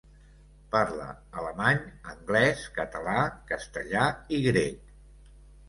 Parla alemany, anglès, català, castellà i grec.